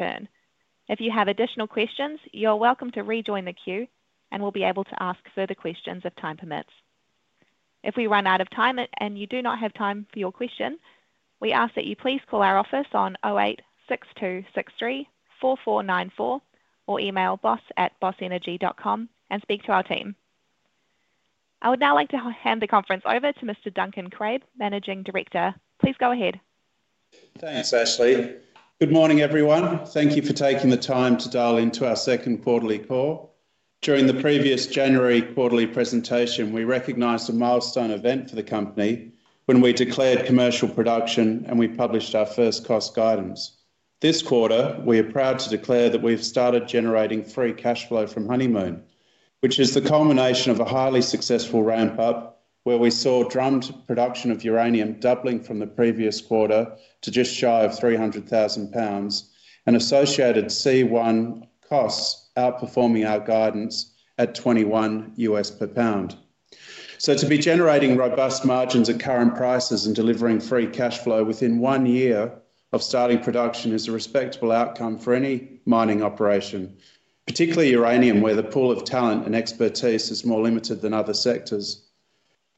Fern. If you have additional questions, you're welcome to rejoin the queue, and we'll be able to ask further questions if time permits. If we run out of time and you do not have time for your question, we ask that you please call our office on 08 6263 4494 or email boss@bossenergy.com and speak to our team. I would now like to hand the conference over to Mr. Duncan Craib, Managing Director. Please go ahead. Thanks, Ashley. Good morning, everyone. Thank you for taking the time to dial into our second quarterly call. During the previous January quarterly presentation, we recognized a milestone event for the company when we declared commercial production and we published our first cost guidance. This quarter, we are proud to declare that we've started generating free cash flow from Honeymoon, which is the culmination of a highly successful ramp-up where we saw drummed production of uranium doubling from the previous quarter to just shy of 300,000 lbs and associated C1 costs outperforming our guidance at $21 per pound. To be generating robust margins at current prices and delivering free cash flow within one year of starting production is a respectable outcome for any mining operation, particularly uranium where the pool of talent and expertise is more limited than other sectors.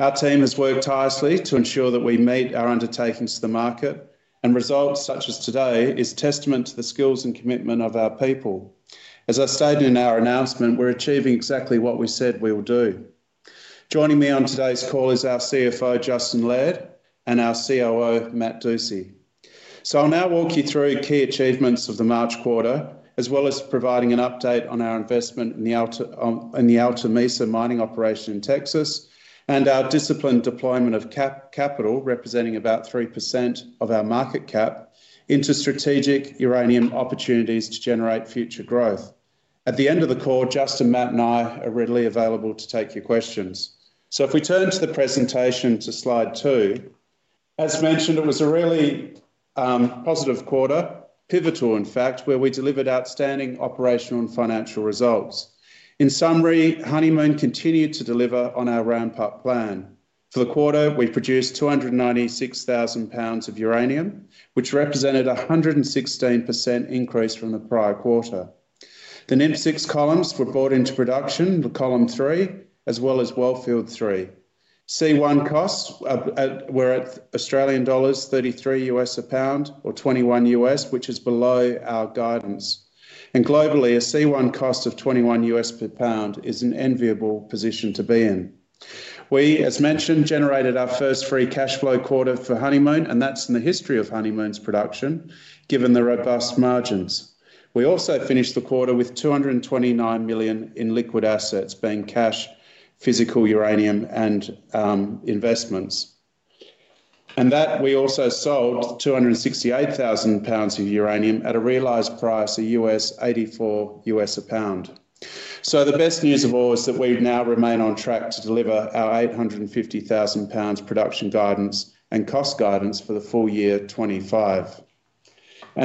Our team has worked tirelessly to ensure that we meet our undertakings to the market, and results such as today are a testament to the skills and commitment of our people. As I stated in our announcement, we're achieving exactly what we said we will do. Joining me on today's call is our CFO, Justin Laird, and our COO, Matt Dusci. I will now walk you through key achievements of the March quarter, as well as providing an update on our investment in the Alta Mesa mining operation in Texas and our disciplined deployment of capital, representing about 3% of our market cap, into strategic uranium opportunities to generate future growth. At the end of the call, Justin, Matt, and I are readily available to take your questions. If we turn to the presentation, to slide two, as mentioned, it was a really positive quarter, pivotal, in fact, where we delivered outstanding operational and financial results. In summary, Honeymoon continued to deliver on our ramp-up plan. For the quarter, we produced 296,000 lbs of uranium, which represented a 116% increase from the prior quarter. The NIMCIX columns were brought into production, column three, as well as wellfield three. C1 costs were at AUD 33 per lb or $21, which is below our guidance. Globally, a C1 cost of $21 per lb is an enviable position to be in. We, as mentioned, generated our first free cash flow quarter for Honeymoon, and that is in the history of Honeymoon's production, given the robust margins. We also finished the quarter with 229 million in liquid assets, being cash, physical uranium, and investments. We also sold 268,000 lbs of uranium at a realized price of $84 a pound. The best news of all is that we now remain on track to deliver our 850,000 lbs production guidance and cost guidance for the full year 2025.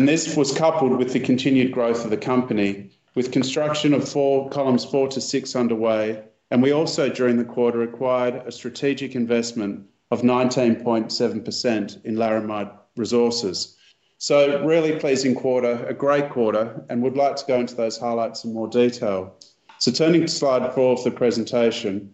This was coupled with the continued growth of the company, with construction of columns four to six underway, and we also, during the quarter, acquired a strategic investment of 19.7% in Laramide Resources. A really pleasing quarter, a great quarter, and we'd like to go into those highlights in more detail. Turning to slide four of the presentation,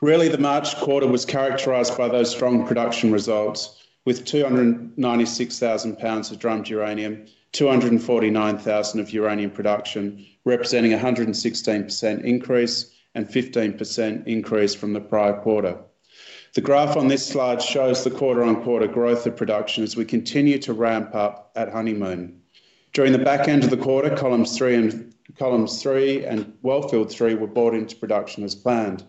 the March quarter was characterized by those strong production results, with 296,000 lbs of drummed uranium, 249,000 lbs of uranium production, representing a 116% increase and 15% increase from the prior quarter. The graph on this slide shows the quarter-on-quarter growth of production as we continue to ramp up at Honeymoon. During the back end of the quarter, columns three and wellfield three were brought into production as planned.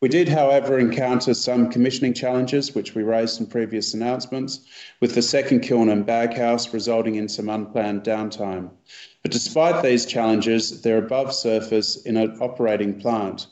We did, however, encounter some commissioning challenges, which we raised in previous announcements, with the second kiln and baghouse resulting in some unplanned downtime. Despite these challenges, they are above surface in an operating plant,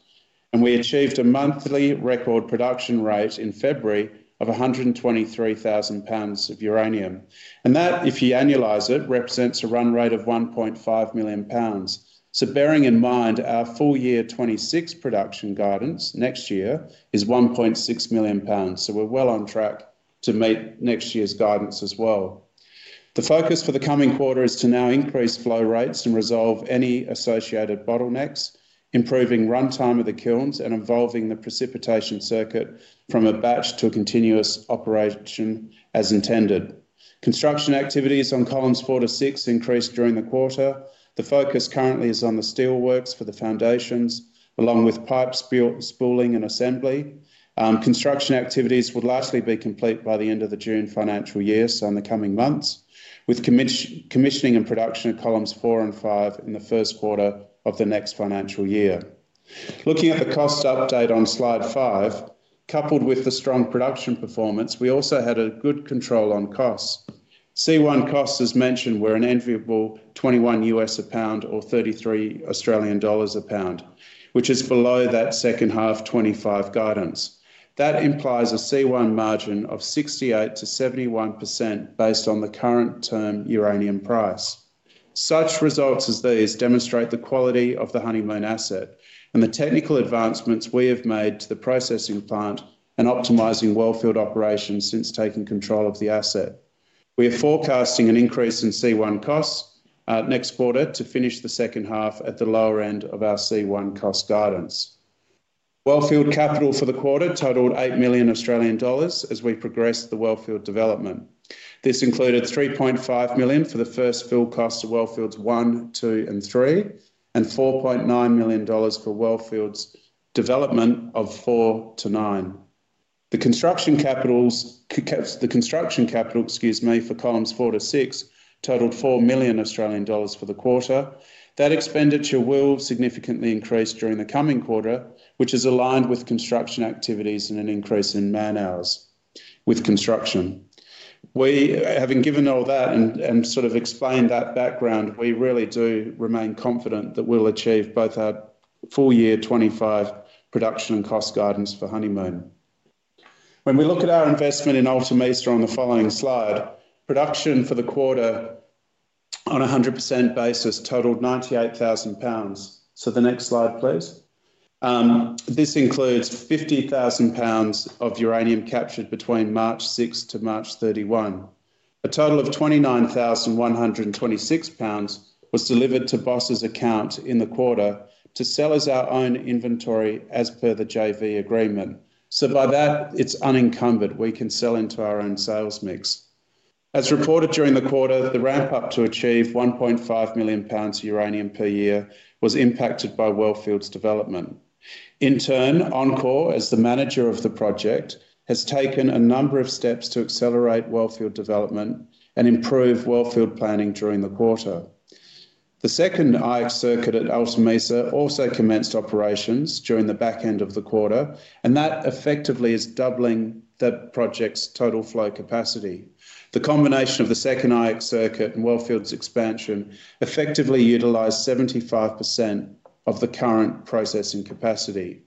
and we achieved a monthly record production rate in February of 123,000 lbs of uranium. If you annualize it, that represents a run rate of 1.5 million lbs. Bearing in mind our full year 2026 production guidance, next year is 1.6 million lbs. We are well on track to meet next year's guidance as well. The focus for the coming quarter is to now increase flow rates and resolve any associated bottlenecks, improving runtime of the kilns and involving the precipitation circuit from a batch to continuous operation as intended. Construction activities on columns four to six increased during the quarter. The focus currently is on the steel works for the foundations, along with pipe spooling and assembly. Construction activities would largely be complete by the end of the June financial year and the coming months, with commissioning and production of columns four and five in the first quarter of the next financial year. Looking at the cost update on slide five, coupled with the strong production performance, we also had a good control on costs. C1 costs, as mentioned, were an enviable $21 a pound or 33 Australian dollars a pound, which is below that second half 2025 guidance. That implies a C1 margin of 68-71% based on the current term uranium price. Such results as these demonstrate the quality of the Honeymoon asset and the technical advancements we have made to the processing plant and optimizing wellfield operations since taking control of the asset. We are forecasting an increase in C1 costs next quarter to finish the second half at the lower end of our C1 cost guidance. Wellfield capital for the quarter totaled 8 million Australian dollars as we progressed the wellfield development. This included $3.5 million for the first fill costs of wellfield one, two, and three, and $4.9 million for wellfield development of four to nine. The construction capital, excuse me, for columns four to six totaled $4 million for the quarter. That expenditure will significantly increase during the coming quarter, which is aligned with construction activities and an increase in man hours with construction. Having given all that and sort of explained that background, we really do remain confident that we'll achieve both our full year 2025 production and cost guidance for Honeymoon. When we look at our investment in Alta Mesa on the following slide, production for the quarter on a 100% basis totaled 98,000 lbs. The next slide, please. This includes 50,000 lbs of uranium captured between March 6 to March 31. A total of 29,126 lbs was delivered to Boss's account in the quarter to sell as our own inventory as per the JV agreement. By that, it's unencumbered. We can sell into our own sales mix. As reported during the quarter, the ramp-up to achieve 1.5 million lbs uranium per year was impacted by wellfield development. In turn, enCore, as the manager of the project, has taken a number of steps to accelerate wellfield development and improve wellfield planning during the quarter. The second IX circuit at Alta Mesa also commenced operations during the back end of the quarter, and that effectively is doubling the project's total flow capacity. The combination of the second IX circuit and wellfield expansion effectively utilized 75% of the current processing capacity.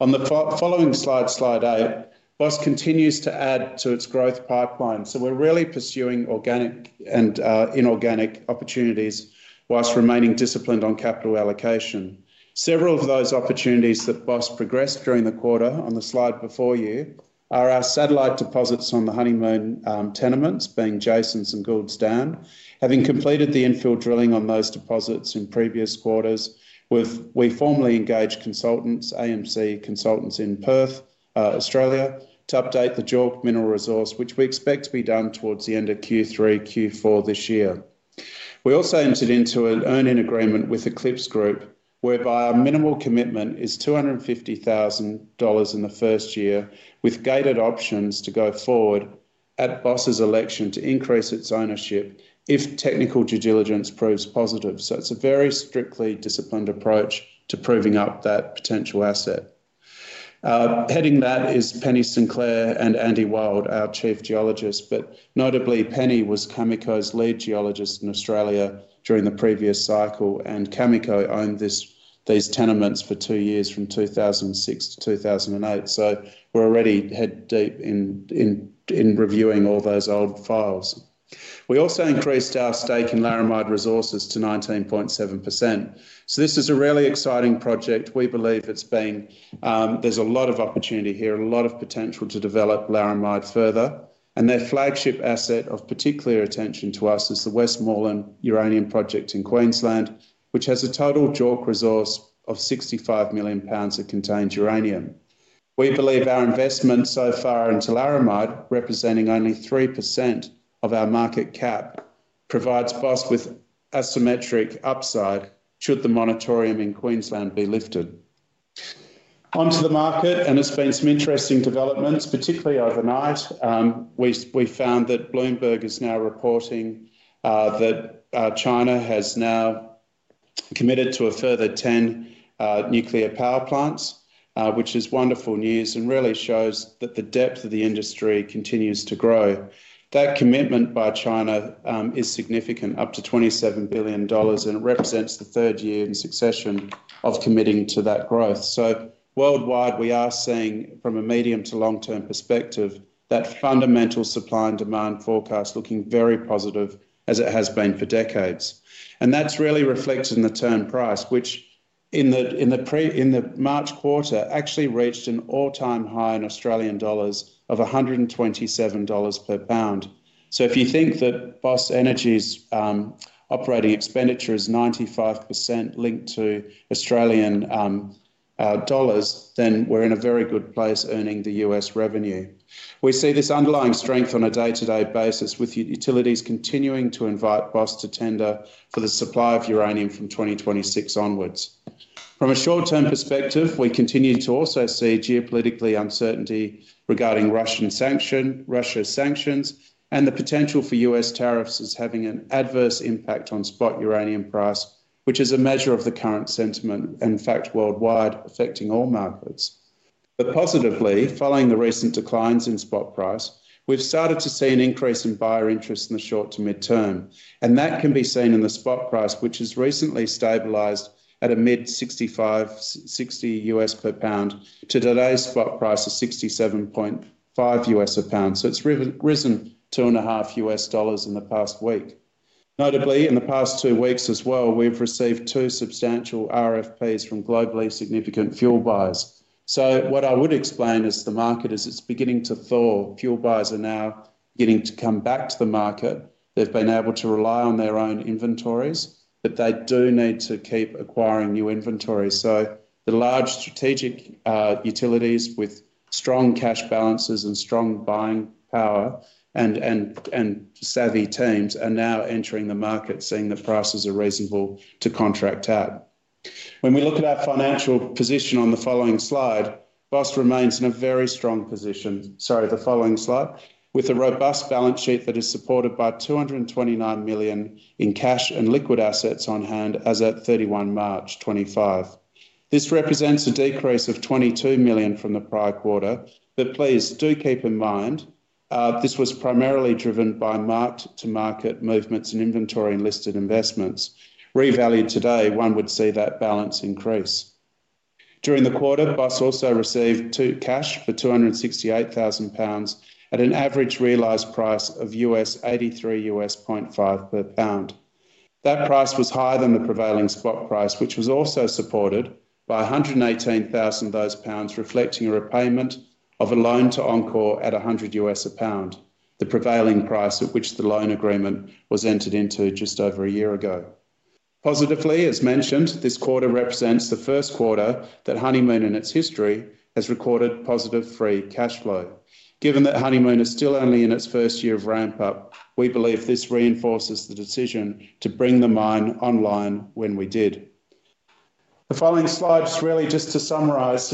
On the following slide, slide eight, Boss continues to add to its growth pipeline. We're really pursuing organic and inorganic opportunities whilst remaining disciplined on capital allocation. Several of those opportunities that Boss progressed during the quarter on the slide before you are our satellite deposits on the Honeymoon tenements, being Jasons and Gould's Dam. Having completed the infill drilling on those deposits in previous quarters, we formally engaged consultants, AMC Consultants in Perth, Australia, to update the JORC mineral resource, which we expect to be done towards the end of Q3, Q4 this year. We also entered into an earning agreement with Eclipse Group, whereby our minimal commitment is $250,000 in the first year, with gated options to go forward at Boss's election to increase its ownership if technical due diligence proves positive. It is a very strictly disciplined approach to proving up that potential asset. Heading that is Penny Sinclair and Andy Wilde, our Chief Geologist. Notably, Penny was Cameco's lead geologist in Australia during the previous cycle, and Cameco owned these tenements for two years from 2006 to 2008. We are already head-deep in reviewing all those old files. We also increased our stake in Laramide Resources to 19.7%. This is a really exciting project. We believe there is a lot of opportunity here, a lot of potential to develop Laramide further. Their flagship asset of particular attention to us is the Westmoreland uranium project in Queensland, which has a total JORC resource of 65 million lbs of contained uranium. We believe our investment so far into Laramide, representing only 3% of our market cap, provides Boss with asymmetric upside should the moratorium in Queensland be lifted. Onto the market, and there's been some interesting developments, particularly overnight. We found that Bloomberg is now reporting that China has now committed to a further 10 nuclear power plants, which is wonderful news and really shows that the depth of the industry continues to grow. That commitment by China is significant, up to $27 billion, and it represents the third year in succession of committing to that growth. Worldwide, we are seeing, from a medium to long-term perspective, that fundamental supply and demand forecast looking very positive as it has been for decades. That is really reflected in the term price, which in the March quarter actually reached an all-time high in 127 Australian dollars per pound. If you think that Boss Energy's operating expenditure is 95% linked to Australian dollars, then we are in a very good place earning the US revenue. We see this underlying strength on a day-to-day basis, with utilities continuing to invite Boss to tender for the supply of uranium from 2026 onwards. From a short-term perspective, we continue to also see geopolitical uncertainty regarding Russian sanctions, and the potential for US tariffs is having an adverse impact on spot uranium price, which is a measure of the current sentiment, in fact, worldwide, affecting all markets. Positively, following the recent declines in spot price, we've started to see an increase in buyer interest in the short to midterm, and that can be seen in the spot price, which has recently stabilized at a mid $65-$66 per pound to today's spot price of $67.5 per pound. It has risen $2.5 in the past week. Notably, in the past two weeks as well, we've received two substantial RFPs from globally significant fuel buyers. What I would explain is the market is beginning to thaw. Fuel buyers are now beginning to come back to the market. They've been able to rely on their own inventories, but they do need to keep acquiring new inventory. The large strategic utilities with strong cash balances and strong buying power and savvy teams are now entering the market, seeing that prices are reasonable to contract out. When we look at our financial position on the following slide, Boss remains in a very strong position. Sorry, the following slide, with a robust balance sheet that is supported by AUD 229 million in cash and liquid assets on hand as at 31 March 2025. This represents a decrease of 22 million from the prior quarter. Please do keep in mind this was primarily driven by marked-to-market movements in inventory and listed investments. Revalued today, one would see that balance increase. During the quarter, Boss also received two cash for £268,000 at an average realized price of $83.50 per pound. That price was higher than the prevailing spot price, which was also supported by 118,000 of those pounds, reflecting a repayment of a loan to enCore at $100 a pound, the prevailing price at which the loan agreement was entered into just over a year ago. Positively, as mentioned, this quarter represents the first quarter that Honeymoon in its history has recorded positive free cash flow. Given that Honeymoon is still only in its first year of ramp-up, we believe this reinforces the decision to bring the mine online when we did. The following slide is really just to summarize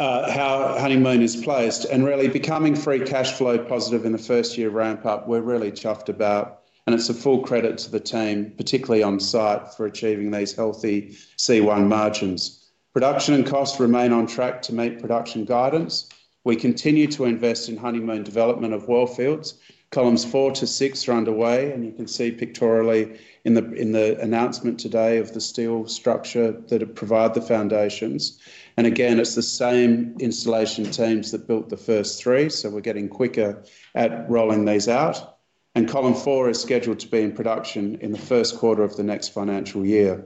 how Honeymoon is placed and really becoming free cash flow positive in the first year ramp-up. We're really chuffed about, and it's a full credit to the team, particularly on site, for achieving these healthy C1 margins. Production and costs remain on track to meet production guidance. We continue to invest in Honeymoon development of wellfield. Columns four to six are underway, and you can see pictorially in the announcement today of the steel structure that provide the foundations. It is the same installation teams that built the first three, so we're getting quicker at rolling these out. Column four is scheduled to be in production in the first quarter of the next financial year.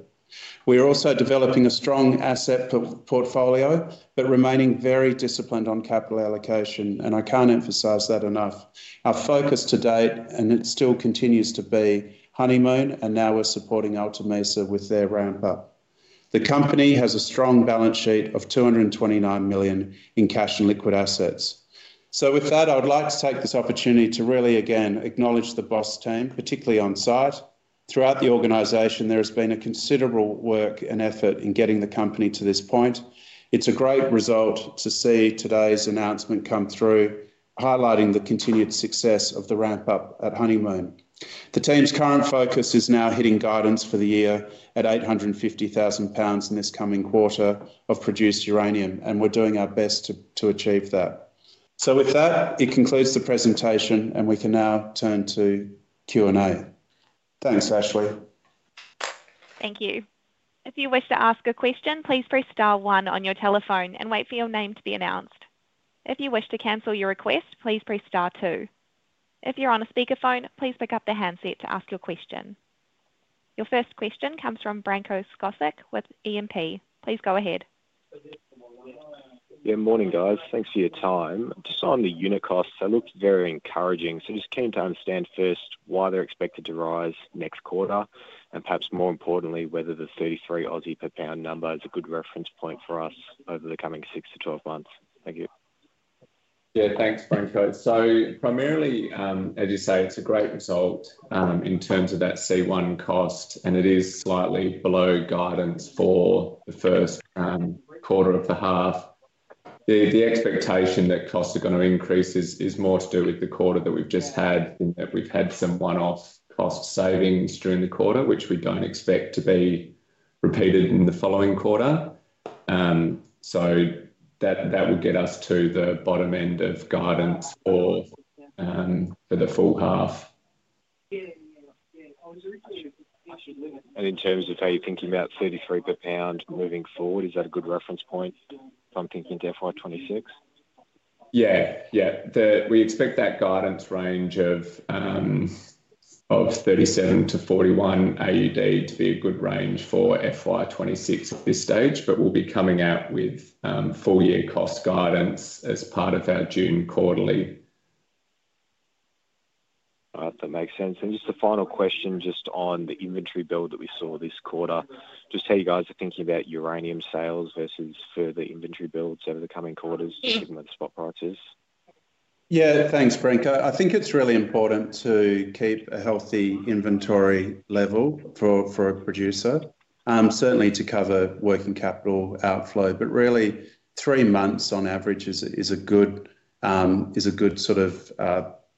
We are also developing a strong asset portfolio, but remaining very disciplined on capital allocation, and I can't emphasize that enough. Our focus to date, and it still continues to be, Honeymoon, and now we're supporting Alta Mesa with their ramp-up. The company has a strong balance sheet of $229 million in cash and liquid assets. With that, I would like to take this opportunity to really, again, acknowledge the Boss team, particularly on site. Throughout the organization, there has been considerable work and effort in getting the company to this point. It's a great result to see today's announcement come through, highlighting the continued success of the ramp-up at Honeymoon. The team's current focus is now hitting guidance for the year at 850,000 in this coming quarter of produced uranium, and we're doing our best to achieve that. That concludes the presentation, and we can now turn to Q&A. Thanks, Ashley. Thank you. If you wish to ask a question, please press *1 on your telephone and wait for your name to be announced. If you wish to cancel your request, please press *2. If you're on a speakerphone, please pick up the handset to ask your question. Your first question comes from Branko Skocic with E&P. Please go ahead. Yeah, morning, guys. Thanks for your time. Just on the unit costs, they look very encouraging. Just keen to understand first why they're expected to rise next quarter, and perhaps more importantly, whether the 33 per pound number is a good reference point for us over the coming 6-12 months. Thank you. Yeah, thanks, Branko. Primarily, as you say, it's a great result in terms of that C1 cost, and it is slightly below guidance for the first quarter of the half. The expectation that costs are going to increase is more to do with the quarter that we've just had, in that we've had some one-off cost savings during the quarter, which we don't expect to be repeated in the following quarter. That would get us to the bottom end of guidance for the full half. In terms of how you're thinking about $33 per pound moving forward, is that a good reference point? I'm thinking to FY2026. Yeah, yeah. We expect that guidance range of 37-41 AUD to be a good range for FY2026 at this stage, but we'll be coming out with full year cost guidance as part of our June quarterly. That makes sense. Just a final question on the inventory build that we saw this quarter, just how you guys are thinking about uranium sales versus further inventory builds over the coming quarters, given the spot prices. Yeah, thanks, Branko. I think it's really important to keep a healthy inventory level for a producer, certainly to cover working capital outflow, but really three months on average is a good sort of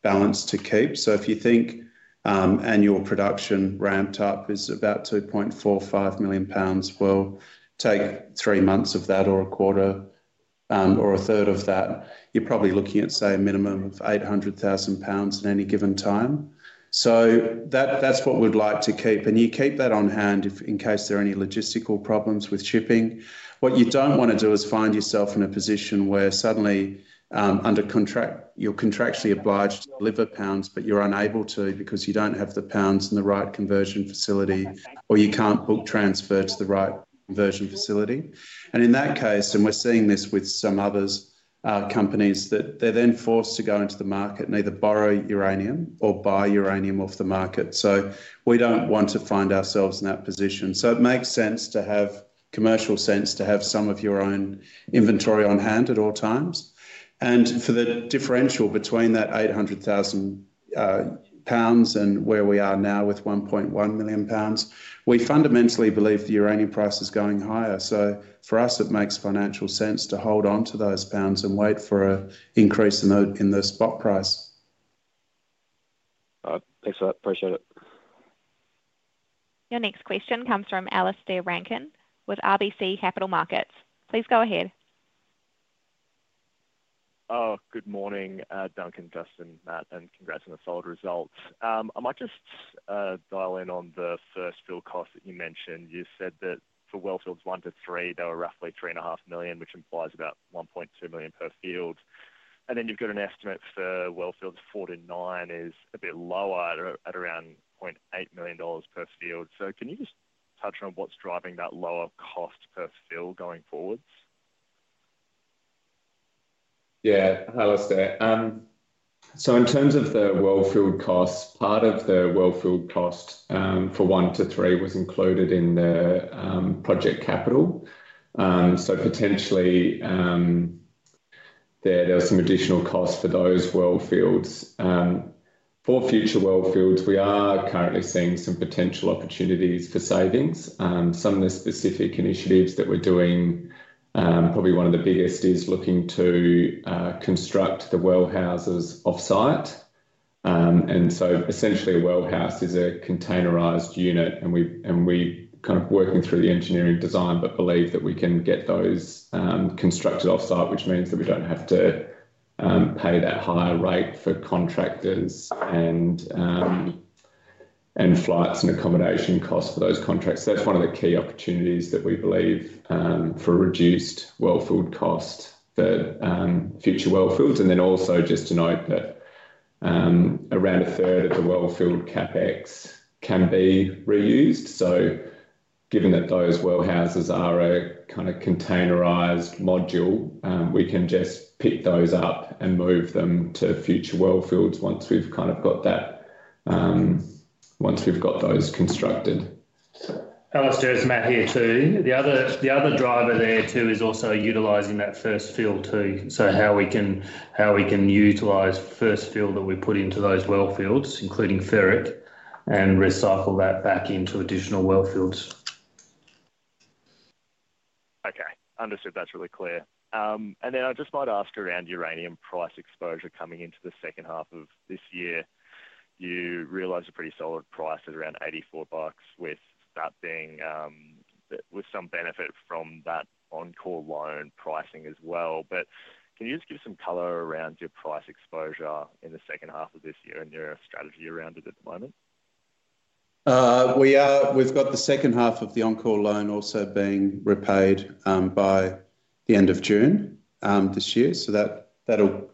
balance to keep. If you think annual production ramped up is about 2.45 million pounds, we'll take three months of that or a quarter or a third of that. You're probably looking at, say, a minimum of 800,000 pounds at any given time. That's what we'd like to keep. You keep that on hand in case there are any logistical problems with shipping. What you don't want to do is find yourself in a position where suddenly you're contractually obliged to deliver pounds, but you're unable to because you don't have the pounds in the right conversion facility, or you can't book transfer to the right conversion facility. In that case, and we're seeing this with some other companies, they're then forced to go into the market and either borrow uranium or buy uranium off the market. We don't want to find ourselves in that position. It makes sense to have commercial sense to have some of your own inventory on hand at all times. For the differential between that $800,000 and where we are now with $1.1 million, we fundamentally believe the uranium price is going higher. For us, it makes financial sense to hold on to those pounds and wait for an increase in the spot price. Thanks for that. Appreciate it. Your next question comes from Alexander Rankin with RBC Capital Markets. Please go ahead. Good morning, Duncan, Justin, Matt, and congrats on the sold results. I might just dial in on the first field cost that you mentioned. You said that for wellfield one to three, they were roughly $3.5 million, which implies about $1.2 million per field. You have an estimate for wellfield four to nine is a bit lower at around $0.8 million per field. Can you just touch on what's driving that lower cost per field going forwards? Yeah, Alistair. In terms of the wellfield costs, part of the wellfield cost for one to three was included in the project capital. Potentially, there are some additional costs for those wellfields. For future wellfields, we are currently seeing some potential opportunities for savings. Some of the specific initiatives that we're doing, probably one of the biggest, is looking to construct the well houses off-site. Essentially, a well house is a containerized unit, and we're kind of working through the engineering design, but believe that we can get those constructed off-site, which means that we do not have to pay that higher rate for contractors and flights and accommodation costs for those contracts. That is one of the key opportunities that we believe for reduced wellfield costs for future wellfield. Also, just to note that around a third of the wellfield CapEx can be reused. Given that those well houses are a kind of containerized module, we can just pick those up and move them to future wellfield once we have got that, once we have got those constructed. Alistair, it is Matt here too. The other driver there too is also utilizing that first fill too. How we can utilize first fill that we put into those wellfields, including ferric, and recycle that back into additional wellfields. Okay, understood. That's really clear. I just might ask around uranium price exposure coming into the second half of this year. You realize a pretty solid price at around $84, with that being with some benefit from that enCore loan pricing as well. Can you just give some color around your price exposure in the second half of this year and your strategy around it at the moment? We have the second half of the enCore loan also being repaid by the end of June this year. That will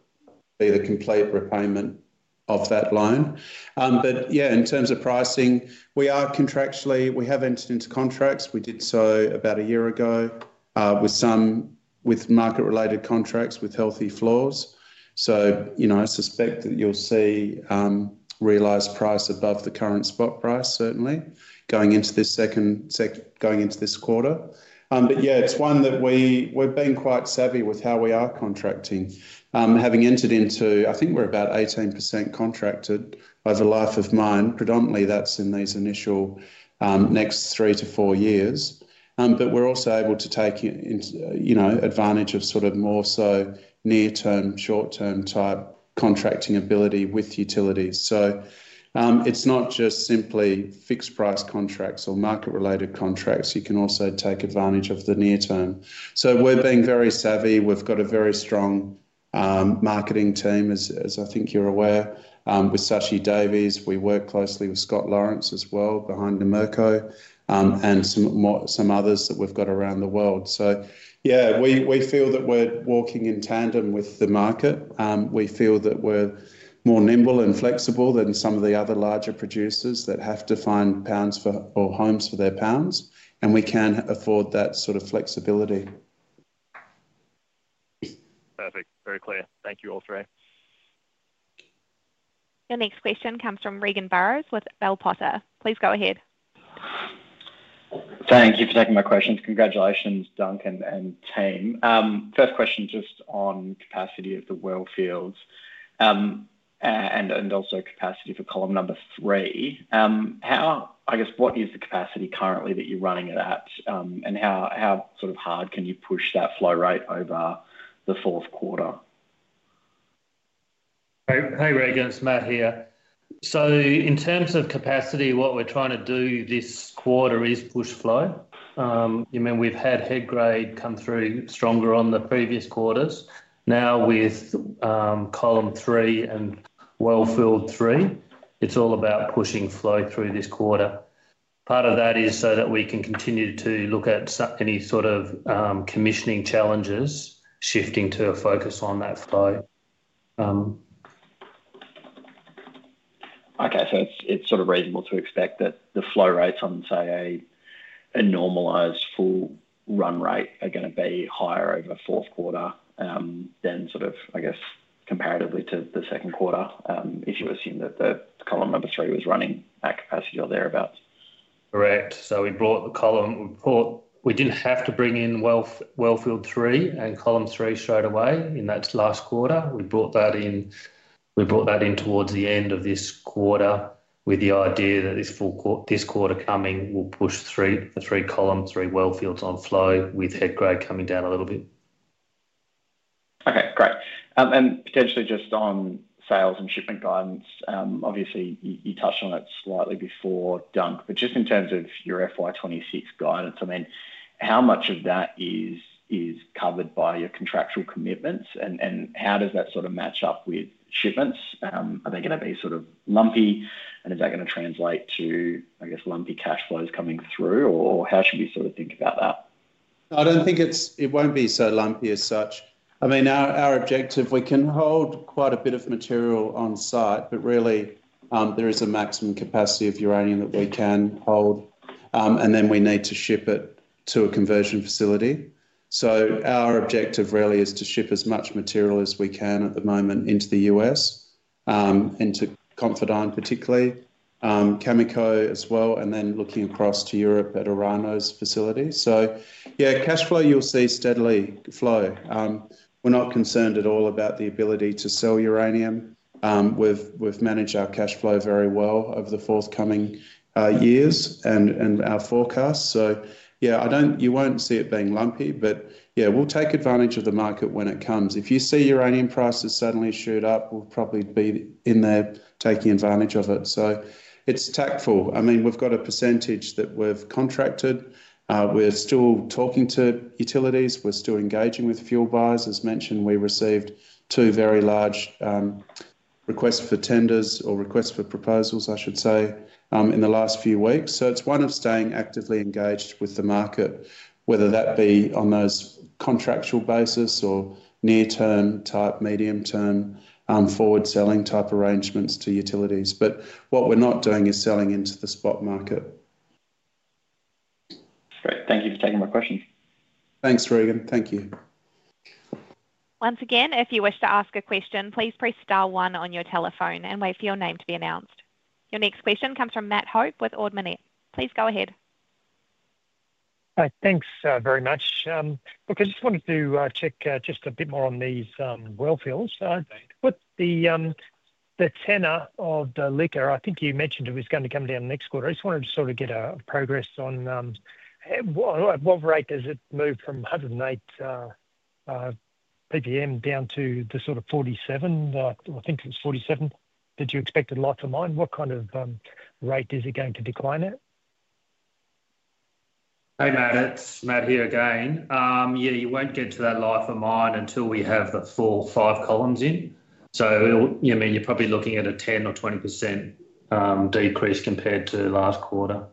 be the complete repayment of that loan. In terms of pricing, we are contractually, we have entered into contracts. We did so about a year ago with some market-related contracts with healthy floors. I suspect that you'll see realized price above the current spot price, certainly, going into this second, going into this quarter. Yeah, it's one that we've been quite savvy with how we are contracting. Having entered into, I think we're about 18% contracted over life of mine. Predominantly, that's in these initial next three to four years. We're also able to take advantage of sort of more so near-term, short-term type contracting ability with utilities. It's not just simply fixed price contracts or market-related contracts. You can also take advantage of the near-term. We're being very savvy. We've got a very strong marketing team, as I think you're aware, with Sachi Davies. We work closely with Scott Lawrence as well behind Numerco and some others that we've got around the world. Yeah, we feel that we're walking in tandem with the market. We feel that we're more nimble and flexible than some of the other larger producers that have to find pounds for or homes for their pounds, and we can afford that sort of flexibility. Perfect. Very clear. Thank you, all three. Your next question comes from Regan Burrows with Bell Potter. Please go ahead. Thank you for taking my questions. Congratulations, Duncan and team. First question just on capacity of the wellfield and also capacity for column number three. I guess, what is the capacity currently that you're running at, and how sort of hard can you push that flow rate over the fourth quarter? Hey, Regan, it's Matt here. In terms of capacity, what we're trying to do this quarter is push flow. You mean we've had head grade come through stronger on the previous quarters. Now, with column three and wellfield three, it's all about pushing flow through this quarter. Part of that is so that we can continue to look at any sort of commissioning challenges, shifting to a focus on that flow. Okay, so it's sort of reasonable to expect that the flow rates on, say, a normalized full run rate are going to be higher over fourth quarter than sort of, I guess, comparatively to the second quarter if you assume that column number three was running at capacity or thereabouts. Correct. We brought the column, we did not have to bring in wellfield three and column three straight away in that last quarter. We brought that in, we brought that in towards the end of this quarter with the idea that this quarter coming will push the three column, three wellfield on flow with head grade coming down a little bit. Okay, great. Potentially just on sales and shipment guidance, obviously, you touched on it slightly before, Dunc, but just in terms of your FY2026 guidance, I mean, how much of that is covered by your contractual commitments, and how does that sort of match up with shipments? Are they going to be sort of lumpy, and is that going to translate to, I guess, lumpy cash flows coming through, or how should we sort of think about that? I do not think it will be so lumpy as such. I mean, our objective, we can hold quite a bit of material on site, but really there is a maximum capacity of uranium that we can hold, and then we need to ship it to a conversion facility. Our objective really is to ship as much material as we can at the moment into the U.S, into Converdyn, particularly, Cameco as well, and then looking across to Europe at Orano's facility. Cash flow you'll see steadily flow. We're not concerned at all about the ability to sell uranium. We've managed our cash flow very well over the forthcoming years and our forecasts. You won't see it being lumpy, but yeah, we'll take advantage of the market when it comes. If you see uranium prices suddenly shoot up, we'll probably be in there taking advantage of it. It's tactful. I mean, we've got a percentage that we've contracted. We're still talking to utilities. We're still engaging with fuel buyers. As mentioned, we received two very large requests for tenders or requests for proposals, I should say, in the last few weeks. It is one of staying actively engaged with the market, whether that be on those contractual basis or near-term type, medium-term forward selling type arrangements to utilities. What we are not doing is selling into the spot market. Great. Thank you for taking my question. Thanks, Regan. Thank you. Once again, if you wish to ask a question, please press *1 on your telephone and wait for your name to be announced. Your next question comes from Matt Hope with Ord Minnett. Please go ahead. Thanks very much. Look, I just wanted to check just a bit more on these wellfields. With the tenor of the liquor, I think you mentioned it was going to come down next quarter. I just wanted to sort of get a progress on what rate does it move from 108 PPM down to the sort of 47? I think it was 47. Did you expect a life of mine? What kind of rate is it going to decline at? Hey, Matt, it's Matt here again. Yeah, you won't get to that life of mine until we have the full five columns in. You mean you're probably looking at a 10%-20% decrease compared to last quarter.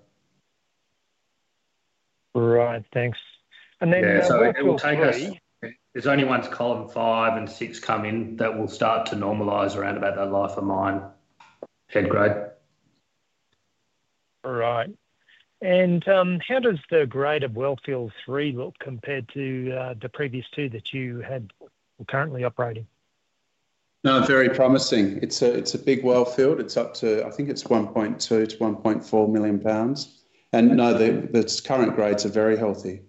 Right, thanks. There will take us, there's only once column five and six come in that will start to normalize around about that life of mine head grade. All right. How does the grade of wellfield three look compared to the previous two that you had currently operating? No, very promising. It's a big wellfield. It's up to, I think it's 1.2-1.4 million pounds. No, the current grades are very healthy.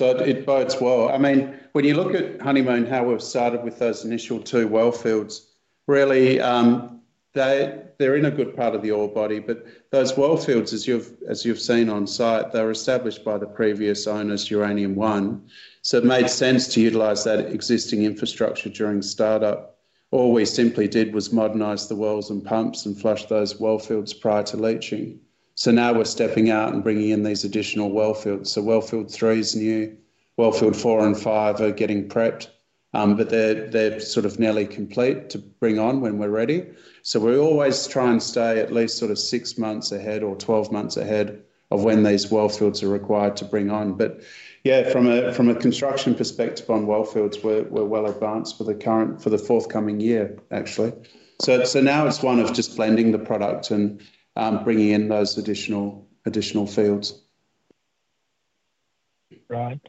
It bodes well. I mean, when you look at Honeymoon, how we've started with those initial two wellfields, really they're in a good part of the ore body. Those wellfields, as you've seen on site, they're established by the previous owners, Uranium One. It made sense to utilize that existing infrastructure during startup. All we simply did was modernize the wells and pumps and flush those wellfields prior to leaching. Now we're stepping out and bringing in these additional wellfields. Wellfield three is new. Wellfields four and five are getting prepped, but they're sort of nearly complete to bring on when we're ready. We always try and stay at least six months ahead or 12 months ahead of when these wellfields are required to bring on. From a construction perspective on wellfields, we're well advanced for the current, for the forthcoming year, actually. Now it's one of just blending the product and bringing in those additional fields. Right.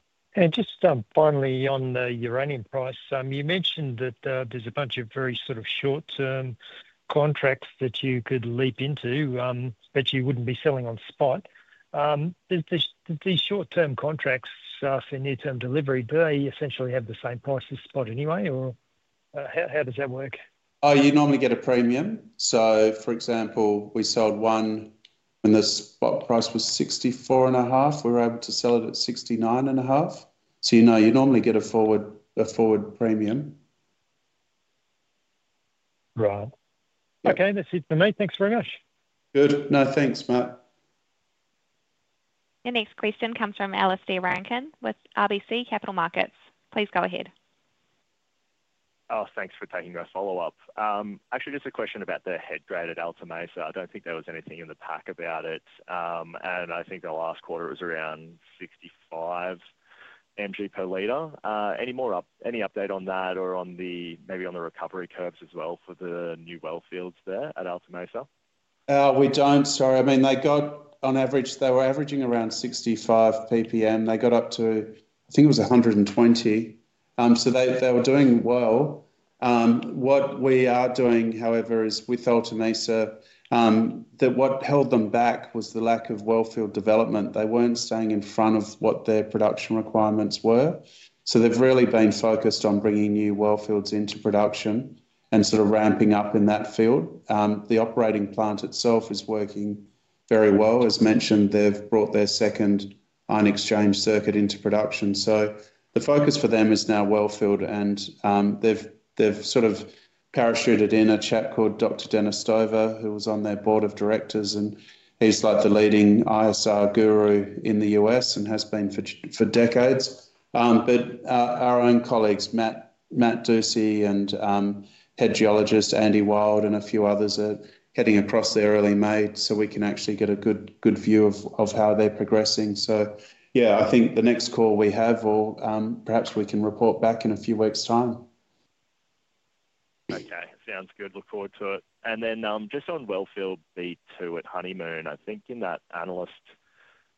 Just finally on the uranium price, you mentioned that there's a bunch of very sort of short-term contracts that you could leap into, but you wouldn't be selling on spot. These short-term contracts for near-term delivery, do they essentially have the same price as spot anyway, or how does that work? You normally get a premium. For example, we sold one when the spot price was $64.5. We were able to sell it at $69.5. You normally get a forward premium. Right. Okay, that's it for me. Thanks very much. Good. No, thanks, Matt. Your next question comes from Alexander Rankin with RBC Capital Markets. Please go ahead. Oh, thanks for taking a follow-up. Actually, just a question about the head grade at Alta Mesa. I do not think there was anything in the pack about it. I think the last quarter was around 65 PPM per liter. Any update on that or maybe on the recovery curves as well for the new wellfield there at Alta Mesa? We do not, sorry. I mean, they got on average, they were averaging around 65 PPM. They got up to, I think it was 120. They were doing well. What we are doing, however, is with Alta Mesa, what held them back was the lack of wellfield development. They were not staying in front of what their production requirements were. They have really been focused on bringing new wellfield into production and ramping up in that field. The operating plant itself is working very well. As mentioned, they have brought their second ion exchange circuit into production. The focus for them is now wellfield, and they've sort of parachuted in a chap called Dr. Dennis Stover, who was on their board of directors, and he's like the leading ISR guru in the US and has been for decades. Our own colleagues, Matt Dusci and Head Geologist Andy Wilde and a few others are heading across there early May so we can actually get a good view of how they're progressing. I think the next call we have or perhaps we can report back in a few weeks' time. Okay, sounds good. Look forward to it. Just on wellfield B2 at Honeymoon, I think in that analyst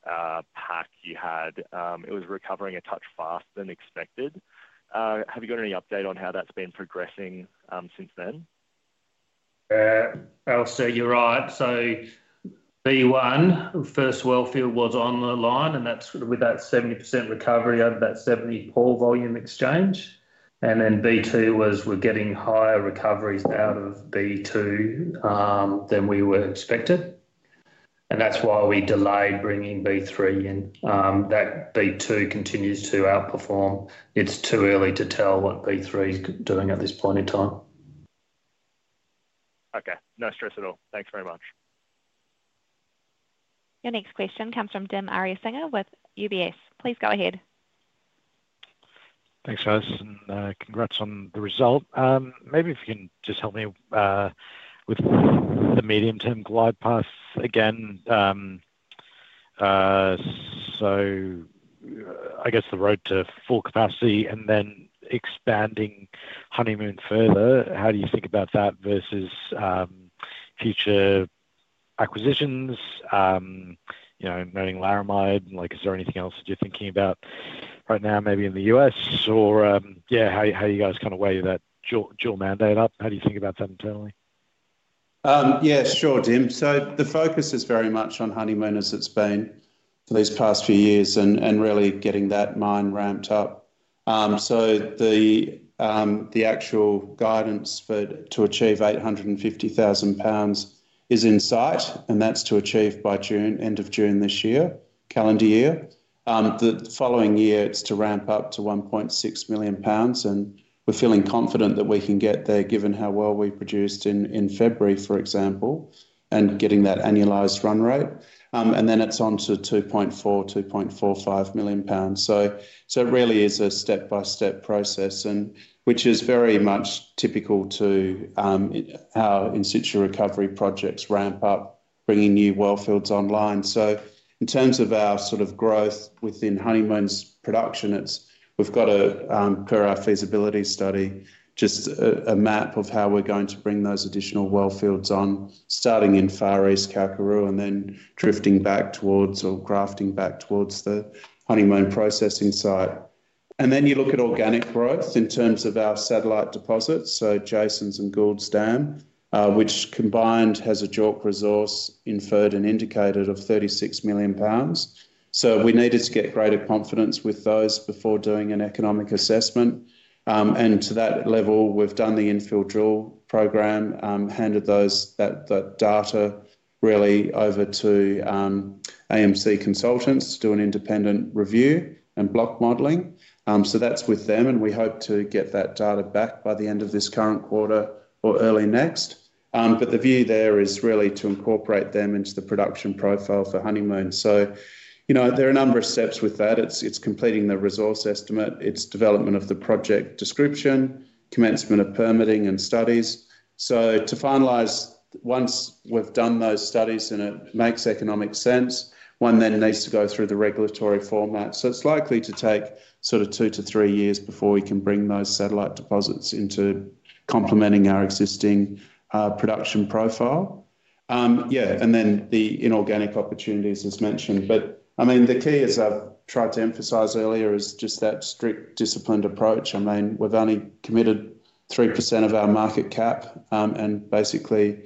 pack you had, it was recovering a touch faster than expected. Have you got any update on how that's been progressing since then? Alistair, you're right. B1, first wellfield was on the line, and that's with that 70% recovery over that 70 pore volume exchange. B2 was we're getting higher recoveries out of B2 than we were expected. That's why we delayed bringing B3 in. B2 continues to outperform. It's too early to tell what B3 is doing at this point in time. Okay, no stress at all. Thanks very much. Your next question comes from Dim Ariyasinghe with UBS. Please go ahead. Thanks, guys. Congrats on the result. Maybe if you can just help me with the medium-term glide path again. I guess the road to full capacity and then expanding Honeymoon further, how do you think about that versus future acquisitions, knowing Laramide? Is there anything else that you're thinking about right now, maybe in the U.S, or yeah, how you guys kind of weigh that dual mandate up? How do you think about that internally? Yeah, sure, Dim. The focus is very much on Honeymoon as it's been for these past few years and really getting that mine ramped up. The actual guidance to achieve 850,000 pounds is in sight, and that's to achieve by end of June this year, calendar year. The following year, it's to ramp up to 1.6 million pounds, and we're feeling confident that we can get there given how well we produced in February, for example, and getting that annualized run rate. Then it's on to 2.4-2.45 million pounds. It really is a step-by-step process, which is very much typical to how in-situ recovery projects ramp up, bringing new wellfield online. In terms of our sort of growth within Honeymoon's production, we've got, per our feasibility study, just a map of how we're going to bring those additional wellfields on, starting in East Kalkaroo and then drifting back towards or grafting back towards the Honeymoon processing site. You look at organic growth in terms of our satellite deposits, so Jason's and Gould's Dam, which combined has a JORC resource inferred and indicated of 36 million pounds. We needed to get greater confidence with those before doing an economic assessment. To that level, we've done the infill drill program, handed that data really over to AMC Consultants to do an independent review and block modeling. That's with them, and we hope to get that data back by the end of this current quarter or early next. The view there is really to incorporate them into the production profile for Honeymoon. You know, there are a number of steps with that. It's completing the resource estimate, it's development of the project description, commencement of permitting and studies. To finalize, once we've done those studies and it makes economic sense, one then needs to go through the regulatory format. It's likely to take two to three years before we can bring those satellite deposits into complementing our existing production profile. Yeah, and then the inorganic opportunities, as mentioned. I mean, the key, as I've tried to emphasize earlier, is just that strict disciplined approach. I mean, we've only committed 3% of our market cap and basically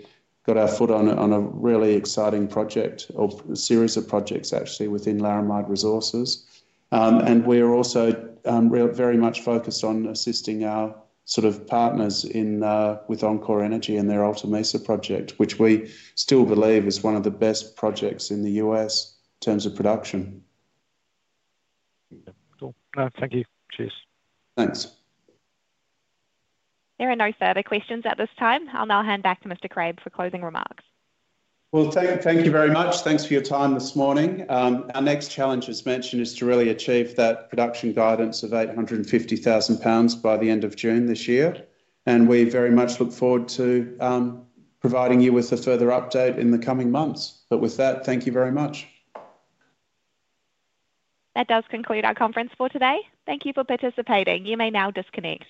got our foot on a really exciting project or series of projects, actually, within Laramide Resources. We are also very much focused on assisting our sort of partners with enCore Energy and their Alta Mesa project, which we still believe is one of the best projects in the U.S in terms of production. Cool. Thank you. Cheers. Thanks. There are no further questions at this time. I will now hand back to Mr. Craib for closing remarks. Thank you very much. Thanks for your time this morning. Our next challenge, as mentioned, is to really achieve that production guidance of 850,000 pounds by the end of June this year. We very much look forward to providing you with a further update in the coming months. With that, thank you very much. That does conclude our conference for today. Thank you for participating. You may now disconnect.